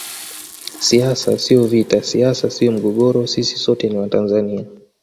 Siasa sio vita siasa sio mgogoro sisi sote ni Watanzania